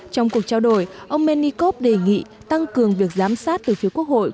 trong cuộc trao đổi ông menikov đề nghị tăng cường việc giám sát từ phía quốc hội